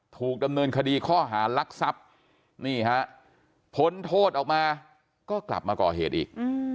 ถูกดำเนินคดีข้อหารักทรัพย์นี่ฮะพ้นโทษออกมาก็กลับมาก่อเหตุอีก